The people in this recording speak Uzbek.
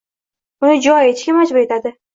Uni jo etishga majbur etadi.